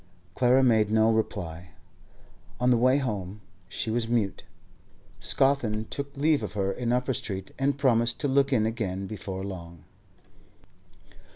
Clara made no reply. On the way home she was mute. Scawthorne took leave of her in Upper Street, and promised to look in again before long.